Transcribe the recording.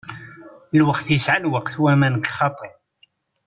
Lweqt yesεa lweqt wamma nekk xaṭi.